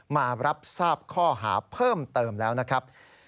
มารับทราบข้อหาเพิ่มเติมแล้วนะครับ